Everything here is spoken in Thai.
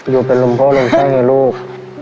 อยู่เป็นร่มพ่อเริ่มใช่ไหมลูก